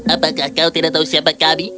apakah kau tidak tahu siapa kami